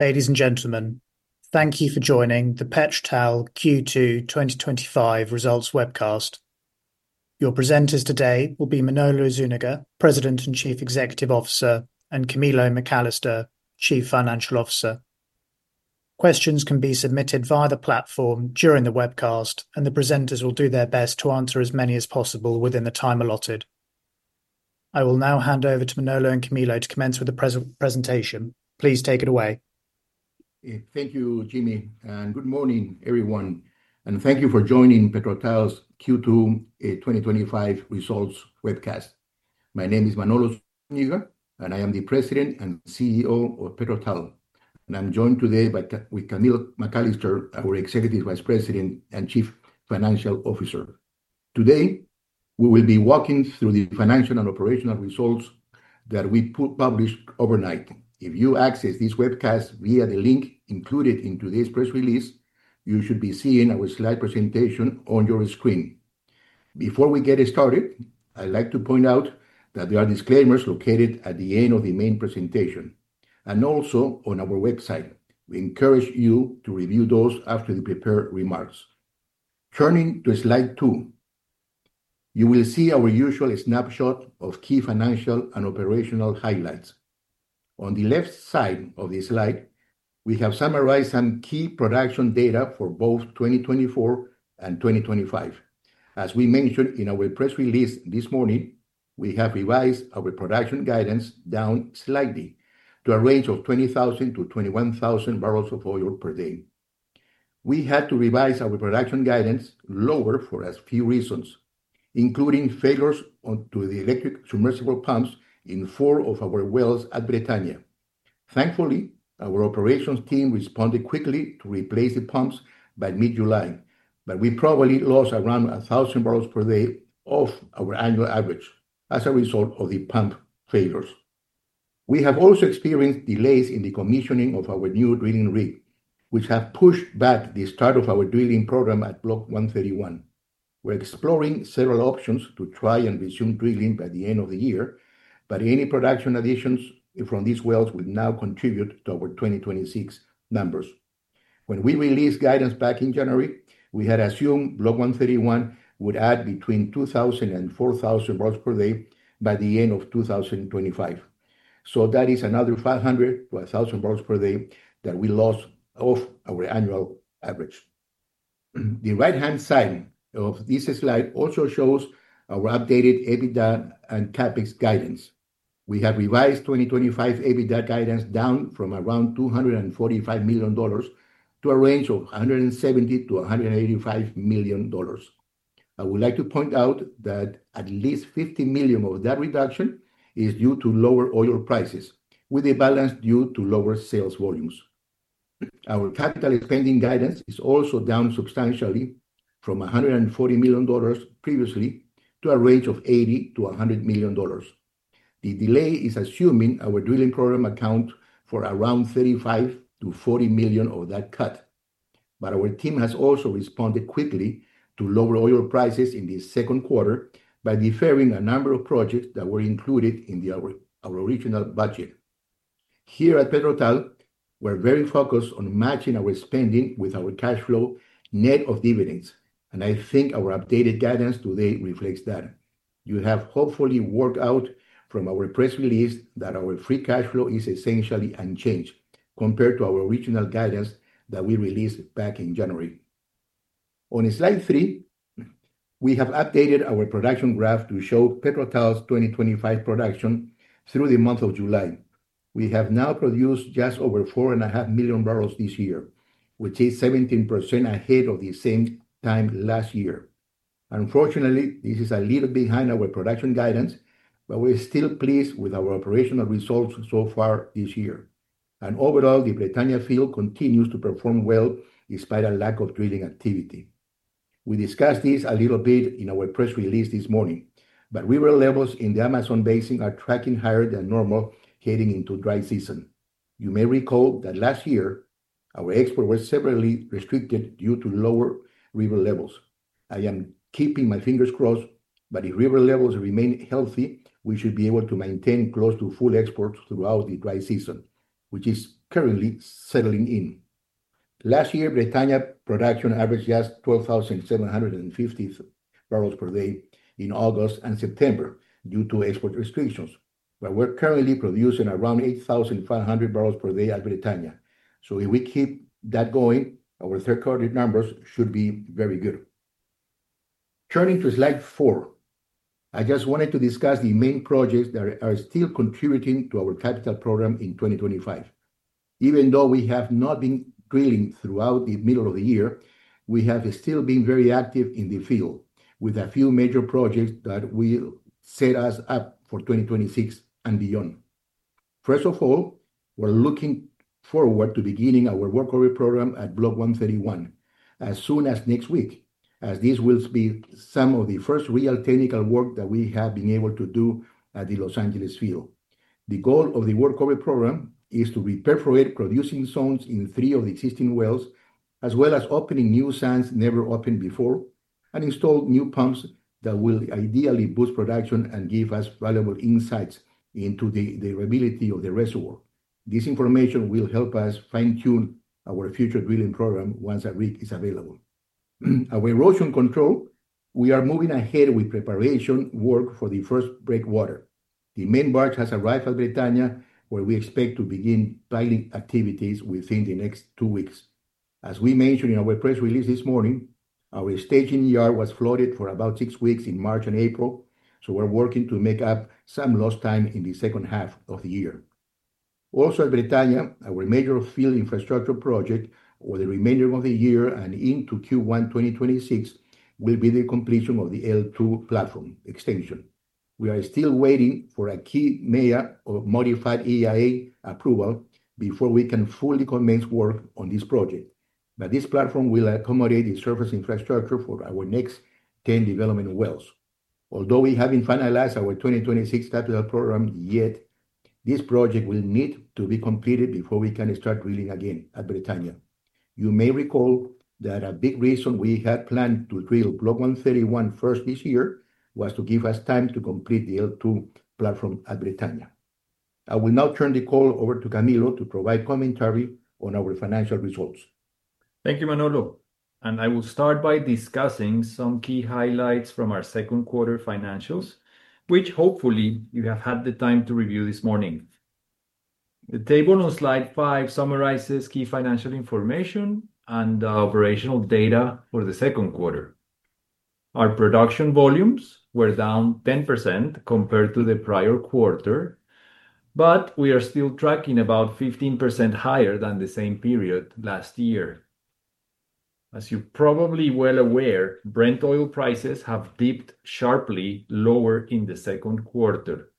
Ladies and gentlemen, thank you for joining the PetroTal Q2 2025 Results Webcast. Your presenters today will be Manolo Zúñiga, President and Chief Executive Officer, and Camilo McAllister, Chief Financial Officer. Questions can be submitted via the platform during the webcast, and the presenters will do their best to answer as many as possible within the time allotted. I will now hand over to Manolo and Camilo to commence with the presentation. Please take it away. Thank you, Jimmy, and good morning, everyone, and thank you for joining PetroTal's Q2 2025 results webcast. My name is Manolo Zúñiga, and I am the President and CEO of PetroTal, and I'm joined today by Camilo McAllister, our Executive Vice President and Chief Financial Officer. Today, we will be walking through the financial and operational results that we published overnight. If you access this webcast via the link included in today's press release, you should be seeing our slide presentation on your screen. Before we get started, I'd like to point out that there are disclaimers located at the end of the main presentation and also on our website. We encourage you to review those after the prepared remarks. Turning to slide two, you will see our usual snapshot of key financial and operational highlights. On the left side of the slide, we have summarized some key production data for both 2024 and 2025. As we mentioned in our press release this morning, we have revised our production guidance down slightly to a range of 20,000-21,000 bbl of oil per day. We had to revise our production guidance lower for a few reasons, including failures to the electric submersible pumps in four of our wells at Bretaña. Thankfully, our operations team responded quickly to replace the pumps by mid-July, but we probably lost around 1,000 bbl per day off our annual average as a result of the pump failures. We have also experienced delays in the commissioning of our new drilling rig, which has pushed back the start of our drilling program at Block 131. We're exploring several options to try and resume drilling by the end of the year, but any production additions from these wells will now contribute to our 2026 numbers. When we released guidance back in January, we had assumed Block 131 would add between 2,000 and 4,000 bbl per day by the end of 2025. That is another 500-1,000 bbl per day that we lost off our annual average. The right-hand side of this slide also shows our updated EBITDA and CapEx guidance. We have revised 2025 EBITDA guidance down from around $245 million to a range of $170 million-$185 million. I would like to point out that at least $50 million of that reduction is due to lower oil prices, with the balance due to lower sales volumes. Our capital expenditure guidance is also down substantially from $140 million previously to a range of $80 million-$100 million. The delay is assuming our drilling program accounts for around $35 million-$40 million of that cut, but our team has also responded quickly to lower oil prices in the second quarter by deferring a number of projects that were included in our original budget. Here at PetroTal, we're very focused on matching our spending with our cash flow net of dividends, and I think our updated guidance today reflects that. You have hopefully worked out from our press release that our free cash flow is essentially unchanged compared to our original guidance that we released back in January. On slide 3, we have updated our production graph to show PetroTal's 2025 production through the month of July. We have now produced just over 4.5 million bbl this year, which is 17% ahead of the same time last year. Unfortunately, this is a little behind our production guidance, but we're still pleased with our operational results so far this year. Overall, the Bretaña field continues to perform well despite a lack of drilling activity. We discussed this a little bit in our press release this morning, but river levels in the Amazon Basin are tracking higher than normal heading into dry season. You may recall that last year, our exports were severely restricted due to lower river levels. I am keeping my fingers crossed, but if river levels remain healthy, we should be able to maintain close to full exports throughout the dry season, which is currently settling in. Last year, Bretaña production averaged just 12,750 bbl per day in August and September due to export restrictions, but we're currently producing around 8,500 bbl per day at Bretaña. If we keep that going, our third-quarter numbers should be very good. Turning to slide 4, I just wanted to discuss the main projects that are still contributing to our capital program in 2025. Even though we have not been drilling throughout the middle of the year, we have still been very active in the field with a few major projects that will set us up for 2026 and beyond. First of all, we're looking forward to beginning our work order program at Block 131 as soon as next week, as this will be some of the first real technical work that we have been able to do at the Los Angeles field. The goal of the work order program is to reperforate producing zones in three of the existing wells, as well as opening new sands never opened before, and install new pumps that will ideally boost production and give us valuable insights into the durability of the reservoir. This information will help us fine-tune our future drilling program once a rig is available. For our erosion control, we are moving ahead with preparation work for the first breakwater. The main barge has arrived at Bretaña, where we expect to begin piling activities within the next two weeks. As we mentioned in our press release this morning, our staging yard was flooded for about six weeks in March and April, so we're working to make up some lost time in the second half of the year. Also, at Bretaña, our major field infrastructure project for the remainder of the year and into Q1 2026 will be the completion of the L2 platform extension. We are still waiting for a key MEA or modified EIA approval before we can fully commence work on this project, but this platform will accommodate the surface infrastructure for our next 10 development wells. Although we haven't finalized our 2026 capital program yet, this project will need to be completed before we can start drilling again at Bretaña. You may recall that a big reason we had planned to drill Block 131 first this year was to give us time to complete the L2 platform at Bretaña. I will now turn the call over to Camilo to provide commentary on our financial results. Thank you, Manolo, and I will start by discussing some key highlights from our second quarter financials, which hopefully you have had the time to review this morning. The table on slide five summarizes key financial information and the operational data for the second quarter. Our production volumes were down 10% compared to the prior quarter, but we are still tracking about 15% higher than the same period last year. As you're probably well aware, Brent oil prices have dipped sharply lower in the second quarter.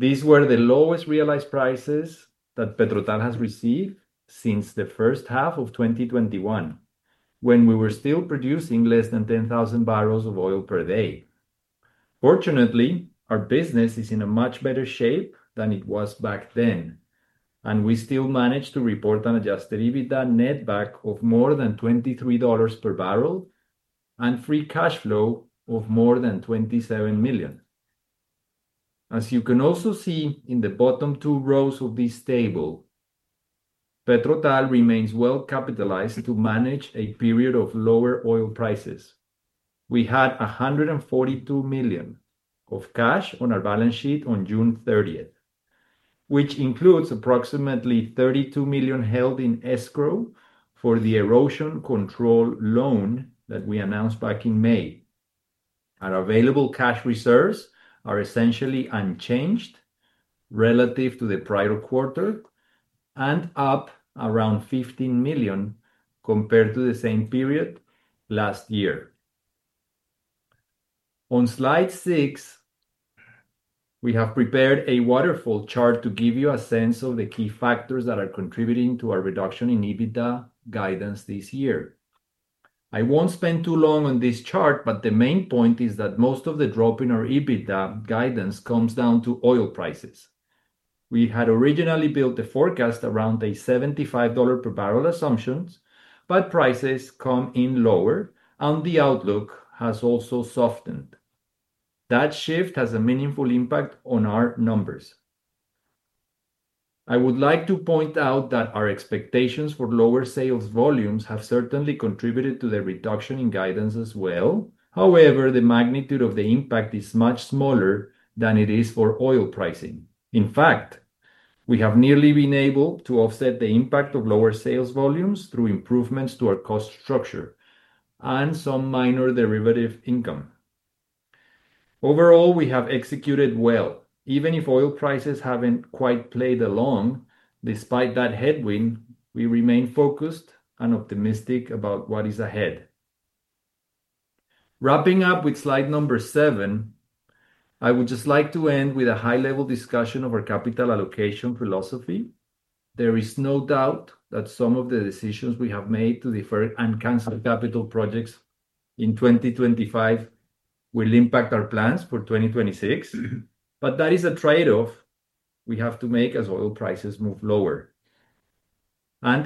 These were the lowest realized prices that PetroTal has received since the first half of 2021, when we were still producing less than 10,000 bbl of oil per day. Fortunately, our business is in a much better shape than it was back then, and we still managed to report an adjusted EBITDA net back of more than $23 per 1 bbl and free cash flow of more than $27 million. As you can also see in the bottom two rows of this table, PetroTal remains well capitalized to manage a period of lower oil prices. We had $142 million of cash on our balance sheet on June 30th, which includes approximately $32 million held in escrow for the erosion control loan that we announced back in May. Our available cash reserves are essentially unchanged relative to the prior quarter and up around $15 million compared to the same period last year. On slide 6, we have prepared a waterfall chart to give you a sense of the key factors that are contributing to our reduction in EBITDA guidance this year. I won't spend too long on this chart, but the main point is that most of the drop in our EBITDA guidance comes down to oil prices. We had originally built the forecast around a $75 per 1 bbl assumption, but prices come in lower and the outlook has also softened. That shift has a meaningful impact on our numbers. I would like to point out that our expectations for lower sales volumes have certainly contributed to the reduction in guidance as well. However, the magnitude of the impact is much smaller than it is for oil pricing. In fact, we have nearly been able to offset the impact of lower sales volumes through improvements to our cost structure and some minor derivative income. Overall, we have executed well. Even if oil prices haven't quite played along, despite that headwind, we remain focused and optimistic about what is ahead. Wrapping up with slide number seven, I would just like to end with a high-level discussion of our capital allocation philosophy. There is no doubt that some of the decisions we have made to defer and cancel capital projects in 2025 will impact our plans for 2026, but that is a trade-off we have to make as oil prices move lower.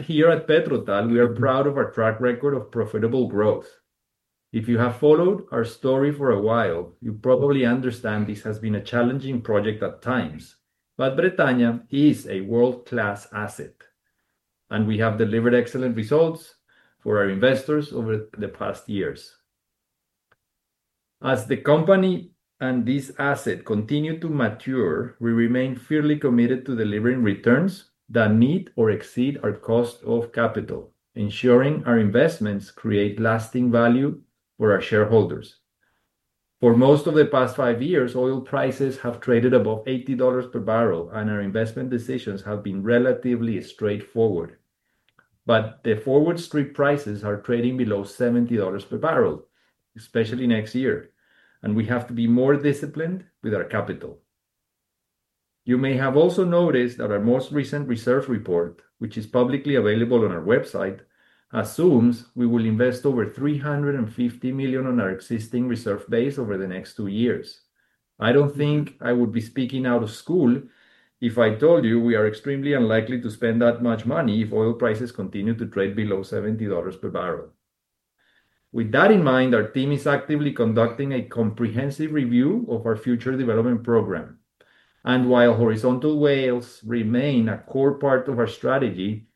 Here at PetroTal, we are proud of our track record of profitable growth. If you have followed our story for a while, you probably understand this has been a challenging project at times, but Bretaña is a world-class asset, and we have delivered excellent results for our investors over the past years. As the company and this asset continue to mature, we remain fully committed to delivering returns that meet or exceed our cost of capital, ensuring our investments create lasting value for our shareholders. For most of the past five years, oil prices have traded above $80 per 1 bbl, and our investment decisions have been relatively straightforward. The forward strip prices are trading below $70 per 1 bbl, especially next year, and we have to be more disciplined with our capital. You may have also noticed that our most recent reserve report, which is publicly available on our website, assumes we will invest over $350 million on our existing reserve base over the next two years. I don't think I would be speaking out of school if I told you we are extremely unlikely to spend that much money if oil prices continue to trade below $70 per 1 bbl. With that in mind, our team is actively conducting a comprehensive review of our future development program. While horizontal wells remain a core part of our strategy,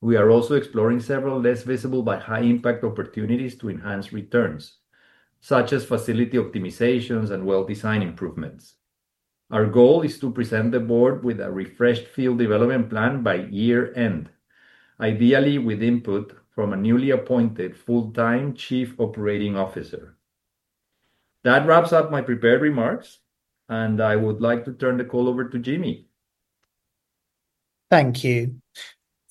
we are also exploring several less visible but high-impact opportunities to enhance returns, such as facility optimizations and well-design improvements. Our goal is to present the board with a refreshed field development plan by year-end, ideally with input from a newly appointed full-time Chief Operating Officer. That wraps up my prepared remarks, and I would like to turn the call over to Jimmy. Thank you.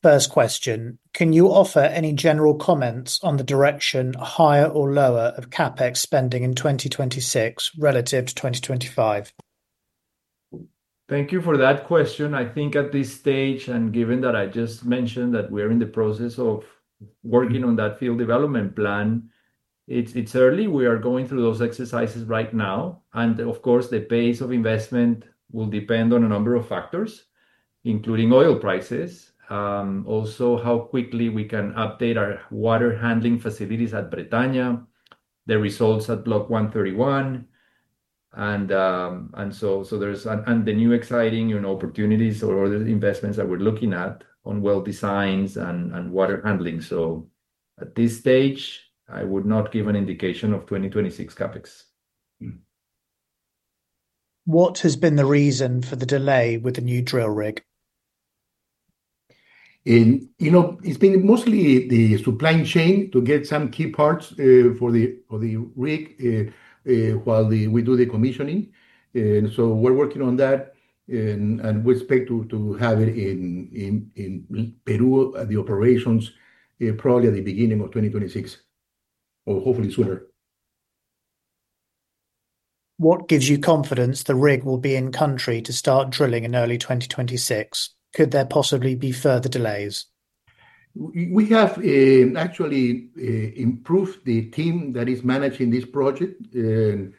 First question, can you offer any general comments on the direction higher or lower of CapEx spending in 2026 relative to 2025? Thank you for that question. I think at this stage, and given that I just mentioned that we are in the process of working on that field development plan, it's early. We are going through those exercises right now, and of course, the pace of investment will depend on a number of factors, including oil prices, also how quickly we can update our water handling facilities at Bretaña, the results at Block 131, and the new exciting opportunities or investments that we're looking at on well designs and water handling. At this stage, I would not give an indication of 2026 CapEx. What has been the reason for the delay with the new drill rig? It's been mostly the supply chain to get some key parts for the rig while we do the commissioning. We're working on that, and we expect to have it in Peru at the operations probably at the beginning of 2026, or hopefully sooner. What gives you confidence the rig will be in country to start drilling in early 2026? Could there possibly be further delays? We have actually improved the team that is managing this project, and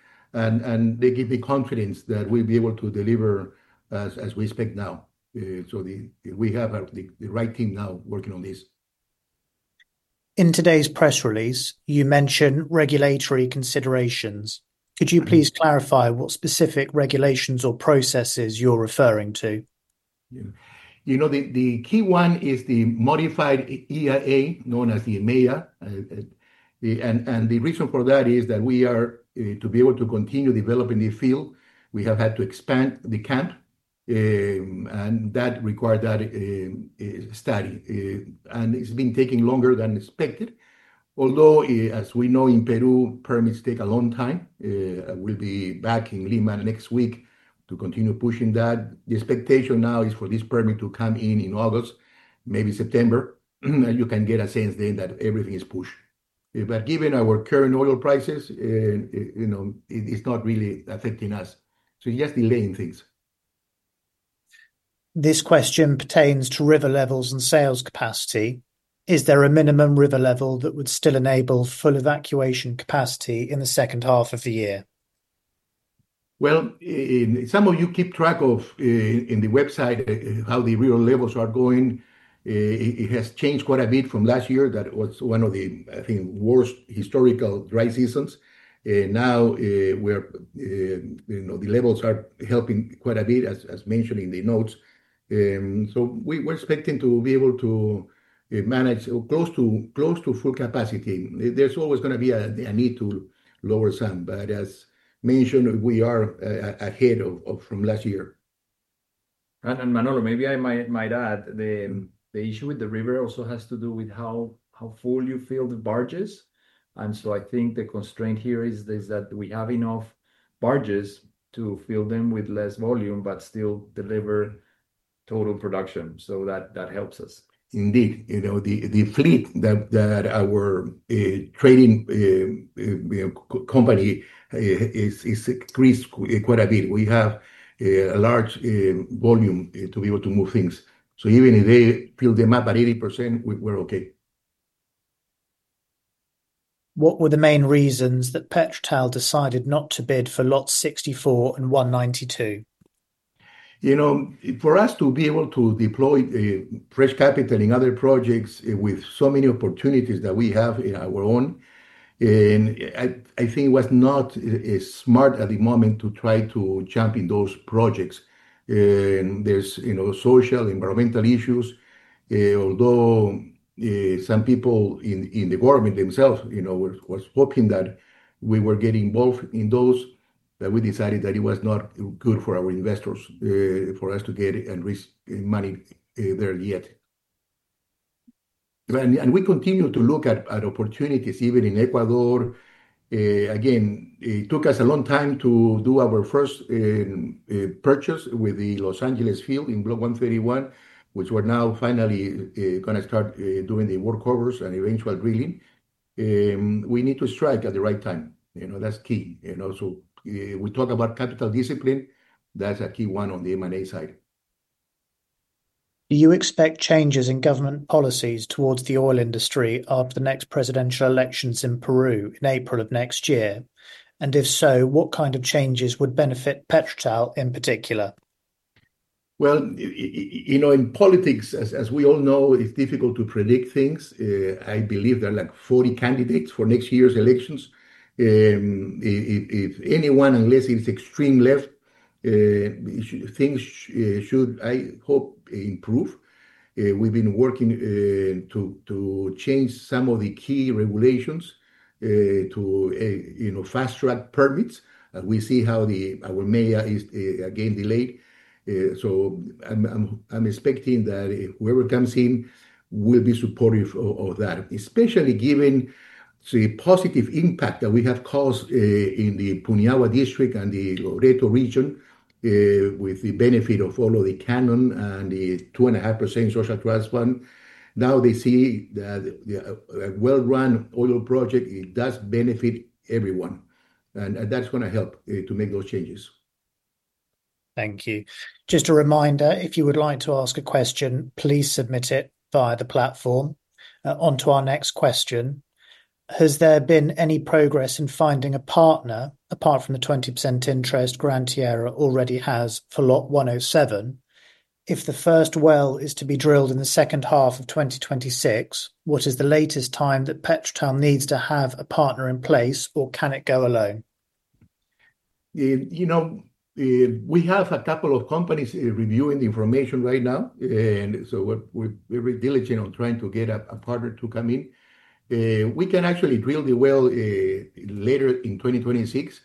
they give the confidence that we'll be able to deliver as we expect now. We have the right team now working on this. In today's press release, you mentioned regulatory considerations. Could you please clarify what specific regulations or processes you're referring to? You know, the key one is the modified EIA, known as the MEA, and the reason for that is that we are, to be able to continue developing this field, we have had to expand the camp, and that required that study, and it's been taking longer than expected. Although, as we know, in Peru, permits take a long time. We'll be back in Lima next week to continue pushing that. The expectation now is for this permit to come in in August, maybe September, and you can get a sense then that everything is pushed. Given our current oil prices, you know, it's not really affecting us. It's just delaying things. This question pertains to river levels and sales capacity. Is there a minimum river level that would still enable full evacuation capacity in the second half of the year? Some of you keep track of, in the website, how the river levels are going. It has changed quite a bit from last year. That was one of the, I think, worst historical dry seasons. Now, the levels are helping quite a bit, as mentioned in the notes. We're expecting to be able to manage close to full capacity. There's always going to be a need to lower some, but as mentioned, we are ahead from last year. Manolo, maybe I might add, the issue with the river also has to do with how full you fill the barges. I think the constraint here is that we have enough barges to fill them with less volume, but still deliver total production. That helps us. Indeed. You know, the fleet that our trading company has increased quite a bit. We have a large volume to be able to move things, so even if they fill them up at 80%, we're okay. What were the main reasons that PetroTal decided not to bid for lots 64 and 192? You know, for us to be able to deploy fresh capital in other projects with so many opportunities that we have in our own, I think it was not smart at the moment to try to jump in those projects. There are, you know, social, environmental issues. Although some people in the government themselves, you know, were hoping that we were getting involved in those, we decided that it was not good for our investors for us to get and risk money there yet. We continue to look at opportunities even in Ecuador. Again, it took us a long time to do our first purchase with the Los Angeles field in Block 131, which we're now finally going to start doing the work orders and eventual drilling. We need to strike at the right time. You know, that's key. We also talk about capital discipline. That's a key one on the M&A side. Do you expect changes in government policies towards the oil industry after the next presidential elections in Peru in April of next year? If so, what kind of changes would benefit PetroTal in particular? In politics, as we all know, it's difficult to predict things. I believe there are like 40 candidates for next year's elections. If anyone, unless it's extreme left, things should, I hope, improve. We've been working to change some of the key regulations to fast-track permits, and we see how our MEA is again delayed. I'm expecting that whoever comes in will be supportive of that, especially given the positive impact that we have caused in the Punahou District and the Obrado region with the benefit of all of the cannon and the 2.5% social trust fund. Now they see that a well-run oil project does benefit everyone, and that's going to help to make those changes. Thank you. Just a reminder, if you would like to ask a question, please submit it via the platform. On to our next question. Has there been any progress in finding a partner apart from the 20% interest Gran Tierra already has for Lot 107? If the first well is to be drilled in the second half of 2026, what is the latest time that PetroTal needs to have a partner in place, or can it go alone? You know, we have a couple of companies reviewing the information right now, and we're very diligent on trying to get a partner to come in. We can actually drill the well later in 2026,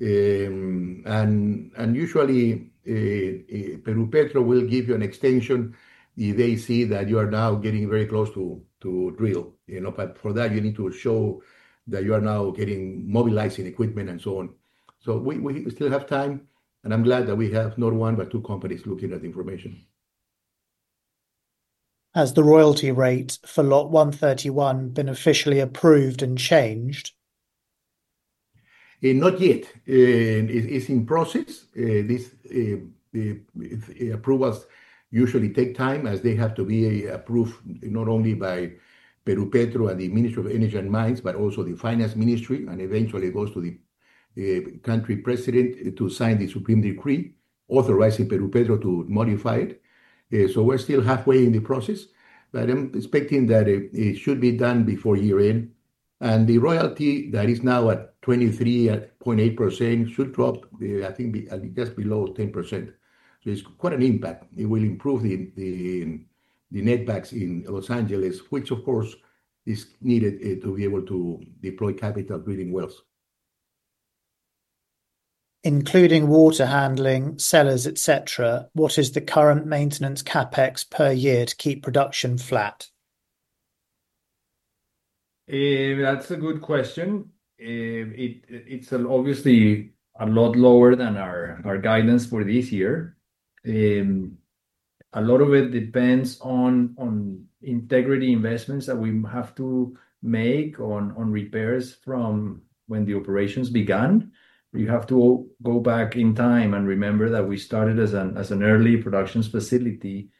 and usually, PERUPETRO will give you an extension if they see that you are now getting very close to drill. For that, you need to show that you are now getting mobilizing equipment and so on. We still have time, and I'm glad that we have not one but two companies looking at the information. Has the royalty rate for Block 131 been officially approved and changed? Not yet. It's in process. Approvals usually take time as they have to be approved not only by PERUPETRO and the Ministry of Energy and Mines, but also the Finance Ministry, and eventually it goes to the country president to sign the supreme decree authorizing PERUPETRO to modify it. We're still halfway in the process, but I'm expecting that it should be done before year-end. The royalty that is now at 23.8% should drop, I think, just below 10%. It's quite an impact. It will improve the net backs in Los Angeles, which of course is needed to be able to deploy capital drilling wells. Including water handling, cellars, et cetera, what is the current maintenance CapEx per year to keep production flat? That's a good question. It's obviously a lot lower than our guidance for this year. A lot of it depends on integrity investments that we have to make on repairs from when the operations began. You have to go back in time and remember that we started as an early production facility,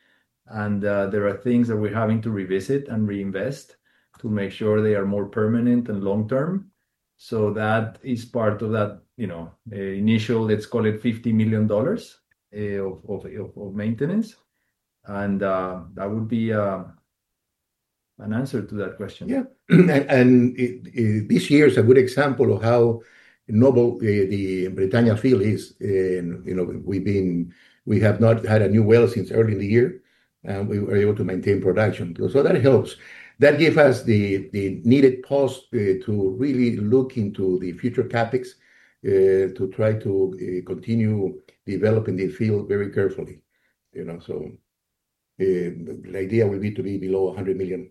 and there are things that we're having to revisit and reinvest to make sure they are more permanent and long-term. That is part of that, you know, initial, let's call it $50 million of maintenance, and that would be an answer to that question. Yeah, and this year is a good example of how noble the Bretaña field is. We've been, we have not had a new well since early in the year, and we were able to maintain production. That helps. That gives us the needed pause to really look into the future CapEx to try to continue developing the field very carefully. The idea would be to be below $100 million.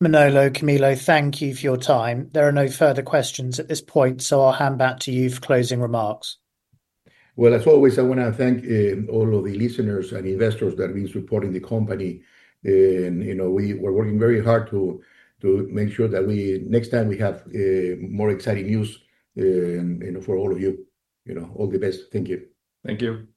Manolo, Camilo, thank you for your time. There are no further questions at this point, so I'll hand back to you for closing remarks. I want to thank all of the listeners and investors that have been supporting the company. We're working very hard to make sure that next time we have more exciting news for all of you. All the best. Thank you. Thank you.